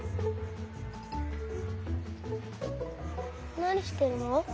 なにしてるの？